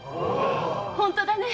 本当だね？